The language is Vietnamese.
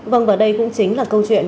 vâng và đây cũng chính là câu chuyện